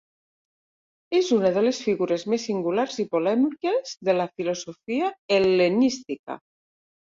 És una de les figures més singulars i polèmiques de la filosofia hel·lenística.